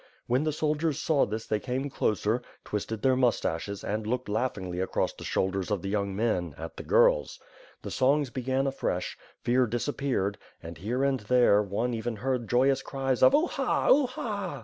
When the soldiers saw this they came closer, twisted their moustaches and looked laughingly across the WITH FIRE AND SWORD, 477 shouMerB of the young men, at the girls. The songs began afresh, fear disappeared and here and there one even heard joyous cries of "Uha! Uha!"